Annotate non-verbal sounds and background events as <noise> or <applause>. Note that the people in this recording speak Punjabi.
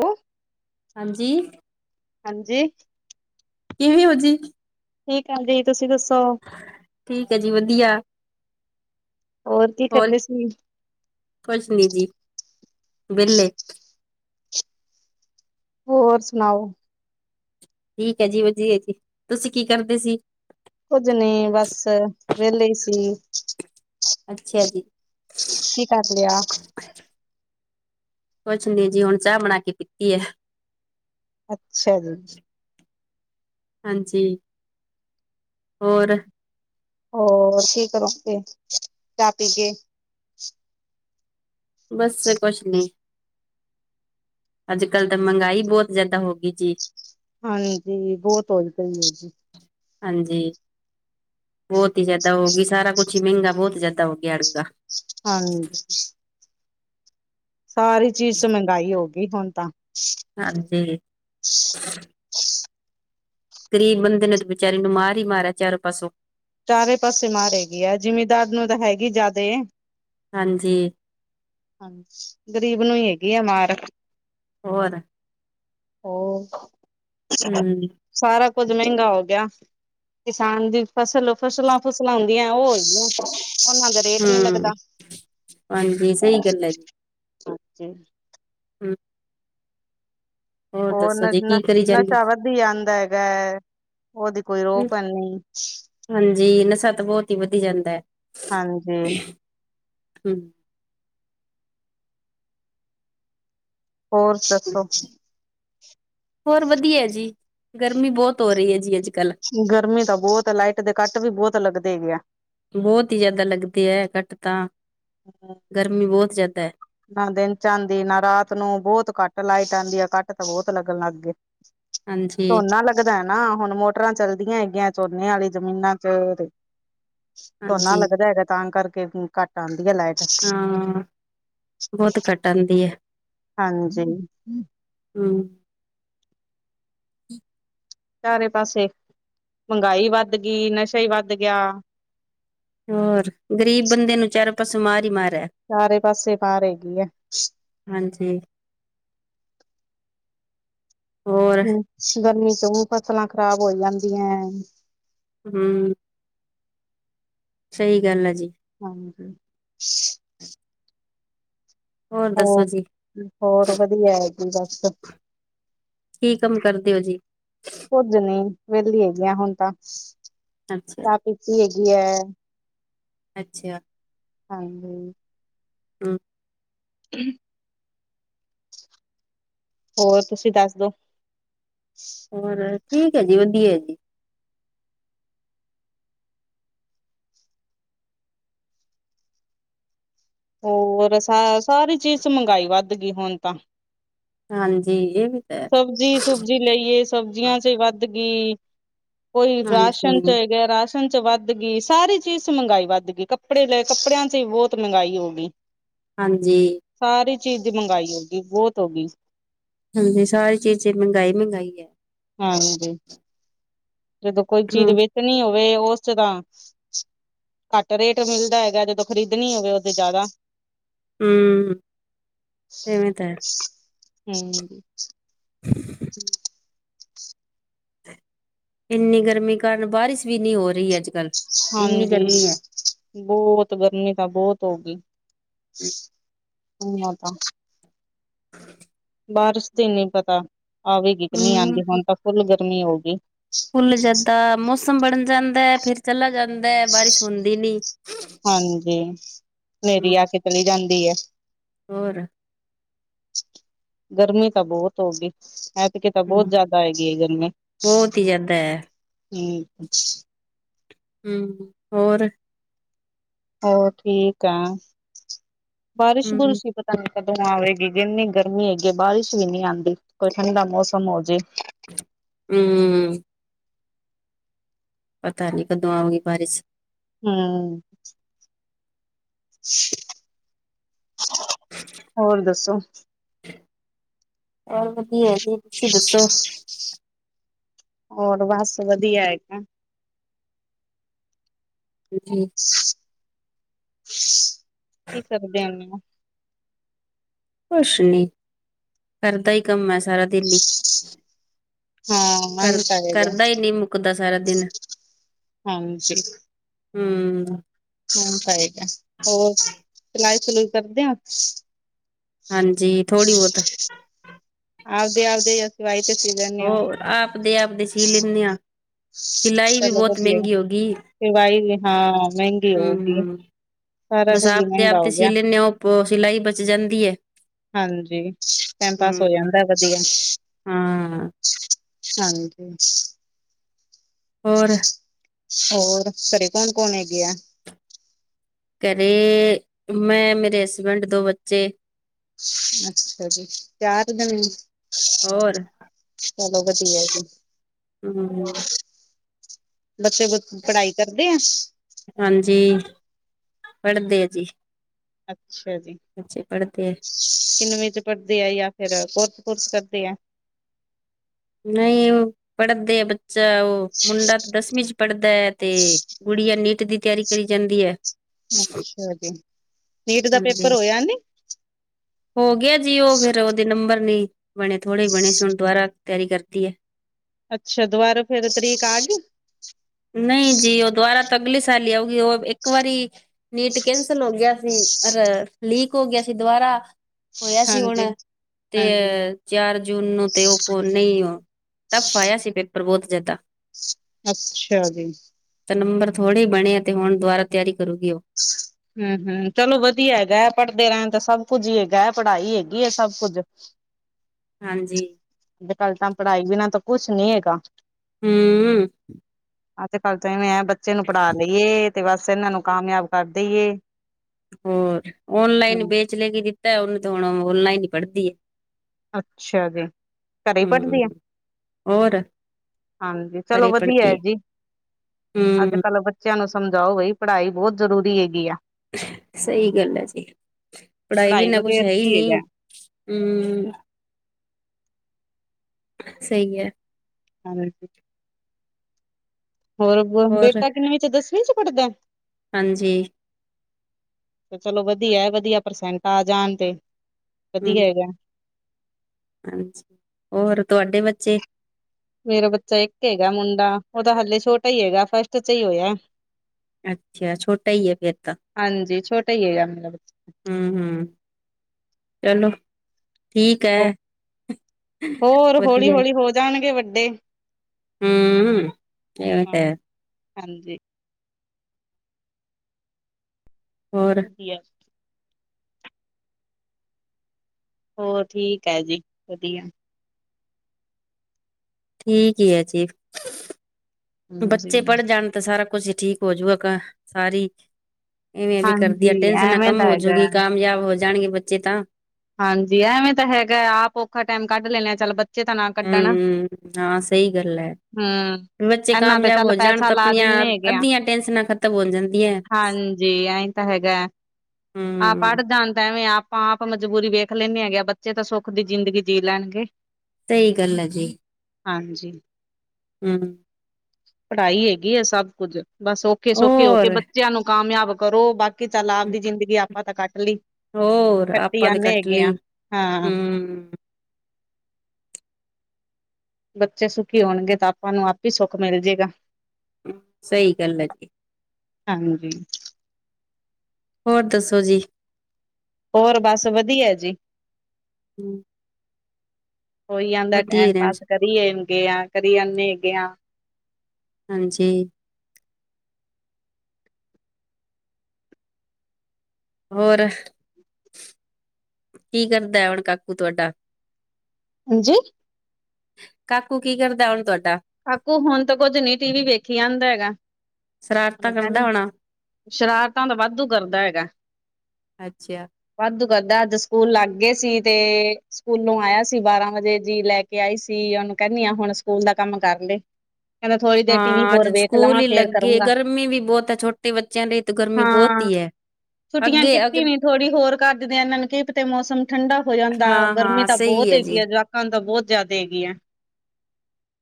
ਹੈਲੌ, ਹਾਂਜੀ। ਹਾਂਜੀ। ਕਿਵੇ ਹੋ ਜੀ? ਠੀਕ ਆ ਜੀ, ਤੁਸੀਂ ਦੱਸੋ? ਠੀਕ ਹੈ ਜੀ ਵਧੀਆ। ਹੋਰ ਕੀ ਕਰਦੇ ਸੀ? ਕੁਛ ਨੀ ਜੀ ਵੇਲ਼ੇ। ਹੋਰ ਸੁਣਾਓ? ਠੀਕ ਹੈ ਜੀ ਵਧੀਆ ਜੀ, ਤੁਸੀਂ ਕੀ ਕਰਦੇ ਸੀ? ਕੁੱਝ ਨੀ ਬਸ ਵਿਹਲੇ ਹੀ ਸੀ। ਅੱਛਾ ਜੀ ਕੀ ਕਰ ਲਿਆ ਕੁਛ ਨੀ ਜੀ ਹੁਣ ਚਾਹ ਬਣਾ ਕੇ ਪੀਤੀ ਐ ਅੱਛਾ ਜੀ। ਹਾਂਜੀ ਹੋਰ ਹੋਰ ਠੀਕ ਕਰੋ ਫੇਰ ਚਾਹ ਪੀਕੇ ਬਸ ਸਰ ਕੁਛ ਨ ਅੱਜ ਕੱਲ੍ਹ ਤਾਂ ਮਹਿੰਗਾਈ ਬਹੁਤ ਜਿਆਦਾ ਹੋਗੀ ਜੀ ਹਾਂਜੀ ਬਹੁਤ ਹੌਈ ਪਈ ਹੈ ਹਾਂਜੀ ਬਹੁਤ ਹੀ ਜਾਦਾ। ਹੋਗੀ ਸਾਰਾ ਕੁਛ? ਜੀ ਮਹਿੰਗਾ ਬਹੁਤ ਜ਼ਿਆਦਾ ਹੋ ਗਿਆ ਅੜਕਾ ਹਾਂਜੀ। ਸਾਰੀ ਚੀਜ਼ ਚ ਮਹਿੰਗਾਈ ਹੋ ਗਈ ਹੁਣ ਤਾਂ ਹਾਂਜੀ <inaudible> ਗ਼ਰੀਬ ਬੰਦੇ ਨੂੰ ਤਾਂ ਵਿਚਾਰੇ ਨੂੰ ਮਾਰ ਹੀ ਮਾਰ ਆ ਚਾਰੋਂ ਪਾਸੋਂ ਚਾਰੇ ਪਾਸੇ ਮਾਰ ਹੈਗੀ ਆ ਜ਼ਿਮੀਂਦਾਰ ਨੂੰ ਤਾਂ ਹੈਗੀ ਜਿਆਦੇ ਹਾਂਜੀ ਹਾਂਜੀ ਗਰੀਬ ਨੂੰ ਹੀ ਹੈਗੀ ਆ ਮਾਰ ਹੋਰ ਹੋਰ ਹਮ ਸਾਰਾ ਕੁੱਝ ਮਹਿੰਗਾ ਹੋ ਗਿਆ ਕਿਸਾਨ ਦੀ ਫਸਲ ਫਸਲਾਂ ਫੁਸਲਾਂ ਹੁੰਦੀਆਂ ਉਹ ਰੇਟ ਨੀ ਹਮ ਲੱਗਦਾ ਹਾਂਜੀ ਸਹੀ ਗੱਲ ਹੈ ਜੀ ਹਮ ਹੋਰ ਉਹ ਦੱਸੋ ਨ ਜੀ ਨ ਕੀ ਕਰੀ ਜਾਂਦੀ ਨਸ਼ਾ ਵੱਧ ਹੀ ਜਾਂਦਾ ਹੈਗਾ ਉਹਦੀ ਕੋਈ ਰੋਕ ਨੀ ਹਾਂਜੀ ਨਸ਼ਾ ਤਾਂ ਬਹੁਤ ਹੀ ਵਧੀ ਜਾਂਦਾ ਹਾਂਜੀ ਹਮ ਹੋਚ ਹੋਰ ਵਧੀਆ ਜੀ ਗਰਮੀ ਬਹੁਤ ਹੋ ਰਹੀ ਹੈ ਜੀ ਅੱਜਕਲ ਗਰਮੀ ਤਾਂ ਬਹੁਤ ਹੈ ਲਾਈਟ ਦੇ ਕੱਟ ਵੀ ਬਹੁਤ ਲੱਗਦੇ ਨੇ ਬਹੁਤ ਹੀ ਜਿਆਦਾ ਲੱਗਦੇ ਹੈ ਕਟ ਤਾਂ ਹ ਗਰਮੀ ਬਹੁਤ ਜ਼ਿਆਦਾ ਨਾ ਦਿਨ ਚ ਆਉਂਦੀ ਨਾ ਰਾਤ ਨੂੰ ਬਹੁਤ ਘੱਟ ਲਾਈਟ ਆਉਂਦੀ ਆ ਕੱਟ ਤਾਂ ਬਹੁਤ ਲੱਗਣ ਲੱਗ ਗਏ ਹਾਂਜੀ ਝੋਨਾ ਲੱਗਦਾ ਨਾ ਹੁਣ ਮੋਟਰਾਂ ਚਲਦੀਆਂ ਹੈਗੀਆਂ ਝੋਨੇ ਵਾਲੀ ਜ਼ਮੀਨਾਂ ਚ ਝੋਨਾ ਹਾਂਜੀ ਲੱਗਦਾ ਹੈਗਾ ਤਾਂ ਕਰਕੇ ਘੱਟ ਆਉਂਦੀ ਹੈ ਲਾਈਟ ਹਾਂ ਬਹੁਤ ਘੱਟ ਆਂਦੀ ਹੈ ਹਾਂਜੀ ਹਮ <inaudible> ਚਾਰੇ ਪਾਸੇ ਮਹਿੰਗਾਈ ਵੱਧ ਗਈ ਨਸ਼ਾ ਹੀ ਵੱਧ ਗਿਆ ਹੋਰ ਗਰੀਬ ਬੰਦੇ ਨੂੰ ਚਾਰੋਂ ਪਾਸੇ ਮਾਰ ਹੀ ਮਾਰ ਹੈ ਚਾਰੇ ਪਾਸੇ ਹਾਰ ਹੈਗੀ ਹੈ ਹਾਂਜੀ ਹੋਰ ਹਮ ਗਰਮੀ ਚ ਉਂ ਫਸਲਾਂ ਖ਼ਰਾਬ ਹੋ ਜਾਂਦੀਆਂ ਹਮ ਸਹੀ ਗੱਲ ਆ ਜੀ ਹਾਂਜੀ <inaudible> ਹੋਰ ਦੱਸੋ ਜੀ ਹੋਰ ਹੋਰ ਵਧੀਆ ਹੈਗੀ ਬੱਸ ਕੀ ਕੰਮ ਕਰਦੇ ਹੋ ਜੀ ਕੁੱਝ ਨਹੀਂ ਵਿਹਲੀ ਹੈਗੀਆਂ ਹੁਣ ਤਾਂ ਅੱਛਾ ਚਾਹ ਪੀਤੀ ਹੈਗੀ ਹੈ ਅੱਛਾ ਹਾਂਜੀ ਹਮ <inaudible> ਹੋਰ ਤੁਸੀਂ ਦੱਸ ਦੋ ਹੋਰ ਠੀਕ ਹੈ ਜੀ ਵਧੀਆ ਜੀ ਹੋਰ ਸ ਸਾਰੀ ਚੀਜ਼ ਮਹਿੰਗਾਈ ਵੱਧ ਗਈ ਹੁਣ ਤਾਂ ਹਾਂਜੀ ਇਹ ਵੀ ਤਾਂ ਹੈ ਸਬਜ਼ੀ ਸੁਬਜੀ ਲਈਏ ਸਬਜ਼ੀਆਂ ਚ ਵੱਧ ਗਈ ਕੋਈ ਹਾਂਜੀ ਰਾਸ਼ਨ ਚ ਹੈਗਾ ਰਾਸ਼ਨ ਚ ਵੱਧ ਗਈ ਸਾਰੀ ਚੀਜ਼ ਮਹਿੰਗਾਈ ਵੱਧ ਗਈ ਕੱਪੜੇ ਲਏ ਕੱਪੜਿਆਂ ਚ ਵੀ ਬਹੁਤ ਮਹਿੰਗਾਈ ਹੋ ਗਈ <inaudible> ਹਾਂਜੀ ਸਾਰੀ ਚੀਜ਼ ਦੀ ਮਹਿੰਗਾਈ ਹੋਗੀ ਬਹੁਤ ਹੋ ਗਈ ਹਾਂਜੀ ਸਾਰੀ ਚੀਜ਼ ਮਹਿੰਗਾਈ ਮਹਿੰਗਾਈ ਹੈ ਹਾਂਜੀ ਜਦੋਂ ਕੋਈ ਚੀਜ਼ ਹੂੰ ਵੇਚਣੀ ਹੋਵੇ ਉਸ 'ਚ ਤਾਂ ਘੱਟ ਰੇਟ ਮਿਲਦਾ ਹੈਗਾ ਜਦੋਂ ਖਰੀਦਣੀ ਹੋਵੇ ਉਦੋ ਜ਼ਿਆਦਾ। ਹੂੰ ਇਵੇਂ ਤਾਂ ਹੈ। ਹਮ <inaudible> ਇੰਨੀ ਗਰਮੀ ਕਾਰਨ ਬਾਰਿਸ਼ ਵੀ ਨਹੀਂ ਹੋ ਰਹੀ ਅੱਜ ਕੱਲ੍ਹ ਹਾਂਜੀ ਬਹੁਤ ਗਰਮੀ ਤਾਂ ਬਹੁਤ ਹੋ ਗਈ ਹ ਤਾਂ <inaudible> ਬਾਰਿਸ਼ ਤੇ ਨਹੀਂ ਪਤਾ ਆਵੇਗੀ ਕਿ ਨਹੀਂ ਹੂੰ ਆਉਂਦੀ ਹੁਣ ਤਾਂ ਫੁੱਲ ਗਰਮੀ ਹੋਗੀ ਫੁੱਲ ਜਾਂਦਾ ਮੌਸਮ ਬਣ ਜਾਂਦਾ ਹੈ ਫੇਰ ਚਲਾ ਜਾਂਦਾ ਹੈ ਬਾਰਿਸ਼ ਹੁੰਦੀ ਨੀ ਹਾਂਜੀ ਹੂੰ ਨੇਰੀ ਆ ਕੇ ਚਲੀ ਜਾਂਦੀ ਹੈ ਹੋਰ ਗਰਮੀ ਤਾਂ ਬਹੁਤ ਹੋ ਗਈ। ਐਤਕੀ ਤਾਂ ਬਹੁਤ ਹੂੰ ਜ਼ਿਆਦਾ ਆਏਗੀ ਏ ਗਰਮੀ। ਬਹੁਤ ਹੀ ਜ਼ਿਆਦਾ ਹੈ ਹੂੰ ਹੂੰ ਹੋਰ ਹੋਰ ਠੀਕ ਆ, ਹੂੰ ਬਾਰਿਸ਼-ਬੂਰਿਸ਼ ਹੀ ਪਤਾ ਨੀ ਕਦੋ ਆਵੇਗੀ ਇੰਨੀ ਗਰਮੀ ਹੈਗੀ ਬਾਰਿਸ਼ ਵੀ ਨਹੀਂ ਆਂਦੀ, ਕੋਈ ਠੰਡਾ ਮੌਸਮ ਹੋਜੇ। ਹੂੰ ਪਤਾ ਨੀ ਕਦੋਂ ਆਉਗੀ ਬਾਰਿਸ਼। ਹੂੰ ਹੋਰ ਦੱਸੋ। ਹੋਰ ਵਧੀਆ ਜੀ ਤੁਸੀਂ ਦੱਸੋ। ਹੋਰ ਬਸ ਵਧੀਆ ਹੈਗਾ। ਜੀ <unintelligible> ਕੀ ਕਰਦੇ ਹੁੰਨੇ ਓ? ਕੁਛ ਨੀ, ਘਰ ਦਾ ਹੀ ਕੰਮ ਹੈ ਸਾਰਾ। ਦਿਨ ਹਾਂ ਐ ਤਾਂ ਘਰ ਹੈਗਾ ਦਾ ਹੀ ਨਹੀਂ ਮੁੱਕਦਾ ਸਾਰਾ ਦਿਨ। ਹਾਂਜੀ ਹੂੰ ਹਾਂ ਠੀਕ ਆ, ਹੋਰ ਸਲਾਈ-ਸਲੂਈ ਕਰਦੇ ਓ? ਹਾਂਜੀ ਥੋੜ੍ਹੀ ਬਹੁਤ। ਆਵਦੇ-ਆਵਦੇ ਸਿਵਾਈ ਤੇ ਸੀ। ਲੈਂਨੇ ਹੋ ਓ? ਆਪਦੇ-ਆਪਦੇ ਸੀ ਲੈਂਨੇ ਹਾਂ, ਸਿਲਾਈ ਵੀ ਬਹੁਤ ਮਹਿੰਗੀ ਹੋ ਗਈ। ਸਵਾਈ ਵੀ ਹਾਂ ਮਹਿੰਗੀ ਹੋਊਗੀ, ਹਮ ਸਾਰਾ ਕੁਝ ਵੀ ਮਹਿੰਗਾ ਹੋ ਗਿਆ। ਪ ਸਿਲਾਈ ਬਚ ਜਾਂਦੀ ਹੈ। ਹਾਂਜੀ ਟਾਈਮ ਪਾਸ ਹੋ ਹਮ ਜਾਂਦਾ ਵਧੀਆ। ਹਾਂ ਹਾਂਜੀ ਹੋਰ ਹੋਰ ਘਰੇ ਕੌਣ-ਕੌਣ ਹੈਗੇ ਆ? ਘਰੇ ਮੈਂ, ਮੇਰੇ ਹਸਬੈਂਡ, ਦੋ ਬੱਚੇ। ਅੱਛਾ ਜੀ ਚਾਰ ਜਾਣੇ, ਹੋਰ ਚਲੋ ਵਧੀਆ ਜੀ। ਹੂੰ-ਹੂੰ ਬੱਚੇ-ਬੁਚੇ ਪੜ੍ਹਾਈ ਕਰਦੇ ਆ? ਹਾਂਜੀ, ਪੜ੍ਹਦੇ ਆ ਜੀ। ਅੱਛਾ ਜੀ। ਬੱਚੇ ਪੜ੍ਹਦੇ ਆ। ਕਿੰਨਵੀਂ 'ਚ ਵਿੱਚ ਪੜਦੇ ਆ ਜਾਂ ਫਿਰ ਕੋਰਸ-ਕੂਰਸ ਕਰਦੇ ਆ? ਨਹੀਂ ਪੜ੍ਹਦੇ ਆ ਬੱਚਾ ਉਹ ਮੁੰਡਾ ਤੇ ਦਸਵੀਂ 'ਚ ਪੜ੍ਹਦਾ ਤੇ ਗੁੜੀਆਂ ਨੀਟ ਦੀ ਤਿਆਰੀ ਕਰੀ ਜਾਂਦੀ ਏ। ਅੱਛਾ ਜੀ, ਨੀਟ ਦਾ ਹਾਂਜੀ ਪੇਪਰ ਹੋਇਆ ਨੀ? ਹੋ ਗਿਆ ਜੀ ਉਹ ਫਿਰ ਉਹਦੇ ਨੰਬਰ ਨੀ ਬਣੇ ਥੋੜ੍ਹੇ ਬਣੇ ਸੀ ਹੁਣ ਦੁਬਾਰਾ ਤਿਆਰੀ ਕਰਤੀ ਹੈ। ਅੱਛਾ ਦੁਬਾਰਾ ਫੇਰ ਤਰੀਕ ਆ ਗਈ ਨਹੀਂ ਜੀ ਉਹ ਦੁਬਾਰਾ ਤਾਂ ਅਗਲੇ ਸਾਲ ਹੀ ਆਊਗੀ ਉਹ ਇੱਕ ਵਾਰੀ ਨੀਟ ਕੈਂਸਲ ਹੋ ਗਿਆ ਸੀ ਪਰ ਲੀਕ ਹੋ ਗਿਆ ਸੀ ਦੁਬਾਰਾ ਹੋਇਆ ਸੀ ਹੁਣ, ਹਾਂਜੀ ਤੇ ਹਾਂਜੀ ਚਾਰ ਜੂਨ ਨੂੰ ਤੇ ਉਹ ਨਹੀਂ, ਟਫ ਆਇਆ ਸੀ ਪੇਪਰ ਬਹੁਤ ਜਿਆਦਾ। ਅੱਛਾ ਜੀ। ਤਾਂ ਨੰਬਰ ਥੋੜੇ ਹੀ ਬਣੇ ਆ ਤੇ ਹੁਣ ਦੁਬਾਰਾ ਤਿਆਰੀ ਕਰੂਗੀ ਉਹ। <unintelligible> ਹਮ ਹਮ ਚਲੋ ਵਧੀਆ ਹੈਗਾ ਹੈ ਪੜ੍ਹਦੇ ਰਹਿਣ ਤਾਂ ਸਭ ਕੁੱਝ ਹੀ ਹੈਗਾ ਹੈ ਪੜ੍ਹਾਈ ਹੈਗੀ ਹੈ ਸਭ ਕੁੱਝ ਹਾਂਜੀ ਅੱਜ ਕੱਲ੍ਹ ਤਾਂ ਪੜ੍ਹਾਈ ਬਿਨਾਂ ਤਾਂ ਕੁਛ ਨੀ ਹੈਗਾ। ਹੂੰ। ਅੱਜ ਤੇ ਕੱਲ ਤਾਂ ਮੈਂ ਬੱਚੇ ਨੂੰ ਪੜ੍ਹਾ ਲਈਏ ਤੇ ਬਸ ਇਹਨਾਂ ਨੂੰ ਕਾਮਯਾਬ ਕਰ ਦੇਈਏ। ਹੋਰ ਓਨਲਾਈਨ ਹੂੰ ਵੇਚ ਲੈ ਕੇ ਦਿੱਤਾ ਉਹਨੂੰ ਤਾਂ ਹੁਣ ਓਨਲਾਈਨ ਹੀ ਪੜ੍ਹਦੀ ਹੈ ਅੱਛਾ ਜੀ ਘਰੇ ਹੀ ਹਮ ਪੜਦੀ ਆ। ਹੋਰ ਹਾਂਜੀ ਚਲੋ ਘਰੇ ਵਧੀਆ ਪੜ੍ਹਦੀ ਜੀ ਹੈ ਹਮ ਅੱਜ ਕੱਲ। ਬੱਚਿਆਂ ਨੂੰ ਸਮਝਾਓ ਬਈ ਪੜ੍ਹਾਈ ਬਹੁਤ ਜ਼ਰੂਰੀ ਹੈਗੀ ਆ। ਸਹੀ ਗੱਲ ਹੈ ਜੀ ਪੜ੍ਹਾਈ ਵੀ ਇੰਨਾ ਕੁਛ ਬਗੈਰ ਹੈ ਹੀ ਕੀ ਨਹੀਂ। ਹੈਗਾ ਹਮ ਸਹੀ ਹੈ। ਹਾਂ ਬਿਲਕੁਲ ਹੋਰ ਹੋਰ ਬੇਟਾ ਕਿੰਨੇ ਚ ਦਸਵੀਂ ਚ ਪੜ੍ਹਦਾ ਹਾਂਜੀ। ਚਲੋ ਵੱਧੀਆ ਹੈ, ਵਧੀਆ ਪਰਸੈਂਟ ਆ ਜਾਣ ਤੇ, ਹਮ ਵਧੀਆ ਹੈਗਾ। ਹਾਂਜੀ, ਹੋਰ ਤੁਹਾਡੇ ਬੱਚੇ? ਮੇਰਾ ਬੱਚਾ ਇੱਕ ਹੈਗਾ ਮੁੰਡਾ। ਉਹਦਾ ਹਾਲੇ ਛੋਟਾ ਹੀ ਹੈਗਾ ਫੱਸਟ ਚ ਹੀ ਹੋਇਆ। ਅੱਛਾ ਛੋਟਾ ਈ ਏ ਫੇਰ ਤਾਂ। ਹਾਂਜੀ ਛੋਟਾ ਈ ਹੈਗਾ ਮੇਰਾ ਬੱਚ। ਹੂੰ ਹੂੰ ਚੱਲੋ। ਹੋਰ ਹੋਰ ਵਧੀਆ ਹੋਲੀ-ਹੋਲੀ ਹੋ ਜਾਣਗੇ ਵੱਡੇ। ਹੂੰ ਏ ਹਾਂ ਤਾਂ ਹੈ। ਹਾਂਜੀ। ਹੋਰ ਵਧੀਆ। ਹੋਰ ਠੀਕ ਹੈ ਜੀ, ਵਧੀਆ। ਠੀਕ ਹੀ ਹੈ ਜੀ ਹਾਂਜੀ ਬੱਚੇ ਪੜ੍ਹ ਜਾਣ ਤਾਂ ਸਾਰਾ ਕੁਛ ਠੀਕ ਹੋਜੂਗਾ ਸਾਰੀ ਇਵੇਂ ਵੀ ਕਰਦੀ ਆ ਹਾਂਜੀ ਟੈਂਸਨਾਂ ਐਵੇਂ ਕੰਮ ਤਾਂ ਹੈਗਾ ਹੋਜੂਗੀ ਕਾਮਯਾਬ ਹੋ ਜਾਣਗੇ ਬੱਚੇ ਤਾਂ ਹਾਂਜੀ ਐਵੇਂ ਤਾਂ ਹੈਗਾ ਆਪ ਔਖਾ ਟਾਈਮ ਕੱਢ ਲੈਂਣੇ ਆ ਚੱਲ ਬੱਚੇ ਤਾਂ ਨਾ ਕੱਢਣ ਹਮ ਹਾਂ ਸਹੀ ਗੱਲ ਹੈ ਹੂੰ। ਬੱਚੇ ਇਹਨਾਂ ਤੇ ਕਾਮਯਾਬ ਕੱਲ ਹੋ ਜਾਣ ਪੈਸਾ ਤਾਂ ਲਾ ਆਪਣੀਆਂ ਦਿੰਨੇ ਹੈਗੇ ਆਂ। ਅੱਧੀਆਂ ਟੈਨਸ਼ਨਾਂ ਖ਼ਤਮ ਹੋ ਜਾਂਦੀਆਂ <inaudible> ਹਾਂਜੀ ਆਇਂ। ਤ ਹੈਗਾ। ਆਪ ਪੜ੍ਹ ਹੂੰ ਜਾਣਦਾ ਐਂਵੇ ਆਪ। ਆਪ ਮਜਬੂਰੀ ਵੇਖ ਲੈਂਦੇ ਹੈਗੇ ਆਂ ਬੱਚੇ ਤਾਂ ਸੁੱਖ ਦੀ ਜ਼ਿੰਦਗੀ ਜੀ ਲੈਣਗੇ। ਸਹੀ ਗੱਲ ਹੈ ਜੀ। ਹਾਂਜੀ। ਹੂੰ। ਪੜ੍ਹਾਈ ਹੈਗੀ ਏ ਸਭ ਕੁੱਝ ਬਸ ਔਖੇ-ਸੌਖੇ ਹੋ ਕੇ ਹੋਰ ਬੱਚ। ਬੱਚਿਆਂ ਨੂੰ ਕਾਮਯਾਬ ਕਰੋ ਬਾਕੀ ਚੱਲ ਆਪਦੀ ਜਿੰਦਗੀ ਆਪਾਂ ਤਾਂ ਕੱਟ ਲੀ। ਹੋਰ ਆਪਾਂ ਵੀ ਕੱਟ ਲਈ ਹਾਂ ਹੁੰ। ਬੱਚੇ ਸੁੱਖੀ ਹੋਣਗੇ ਤਾਂ ਆਪਾਂ ਨੂੰ ਆਪੇ ਈ ਸੁੱਖ ਮਿਲ ਜੇਏਗਾ। ਸਹੀ ਗੱਲ ਐ ਜੀ। ਹਾਂਜੀ। ਹੋਰ ਦੱਸੋ ਜੀ। ਹੋਰ ਬਸ ਵਧੀਆ ਜੀ। ਹੂੰ। ਹੋਈ ਆਂਦਾ ਏ ਟੈਮ ਹੀ ਰਹਿਣ ਪਾਸ ਕਰੀਏਂਗੇ ਆਂ ਕਰੀ ਆਂਦੇ ਐਗੇ ਆਂ। ਹਾਂਜੀ। ਹੋਰ, <unintelligible> ਕੀ ਕਰਦਾ ਏ ਹੁਣ ਕਾਕੂ ਤੁਹਾਡਾ। ਹਾਂਜੀ? ਕਾਕੂ ਕੀ ਕਰਦਾ ਏ ਹੁਣ ਤੁਹਾਡਾ? ਕਾਕੂ ਹੁਨ ਤਾਂ ਕੁੱਝ ਨੀ ਟੀ ਵੀ ਵੇਖੀ ਆਂਦਾ ਹੈਗਾ। ਸ਼ਰਾਰਤਾਂ ਨਨ ਕਰਦਾ ਕਹਨ ਹੋਣਾ ਸ਼ਰਾਰਤਾਂ ਤਾਂ ਵਾਧੂ ਕਰਦਾ ਹੈਗਾ। ਅੱਛਾ ਵਾਧੂ ਕਰਦਾ ਅੱਜ ਸਕੂਲ ਲੱਗ ਗਏ ਸੀ ਤੇ। ਸਕੂਲੋਂ ਆਇਆ ਸੀ, ਬਾਰਾਂ ਵਜੇ, ਜੀ ਲੈ ਕੇ ਆਈ ਸੀ ਉਹਨੂੰ ਕਹਿੰਨੀ ਆਂ ਹੁਨ ਸਕੂਲ ਦਾ ਕੰਮ ਕਰ ਲਏ। ਹ <inaudible> ਹਾਂ ਅੱਜ ਛਕੂਲ ਈ ਲੱਗੇ ਕਰੂੰਗਾ ਗਰਮੀ ਵੀ ਬਹੁਤ ਏ ਛੋਟੇ ਬੱਚਿਆਂ ਲਈ ਤਾਂ ਗਰਮੀ ਬਹੁਤ ਹਾਂ ਈ ਏ। ਛੁੱਟੀਆਂ ਕੀਤੀ ਨੀ ਥੋੜੀ ਹੋਰ ਕਰ ਦਿਂਦੇ ਇਹਨਾਂ ਨੂੰ ਕੀ ਪਤੇ ਮੌਸਮ ਠੰਡਾ ਹੋ ਜਾਂਦਾ। ਹਾਂ ਗਰਮੀ। ਹਾਂ ਸਹੀ ਬਹੁਤ ਹੈ ਹੈਗੀ ਜੀ ਏ ਜਵਾਕਾਂ ਨੂੰ ਤਾਂ ਬਹੁਤ ਜਿਆਦੇ ਹੈਗੀ ਏ।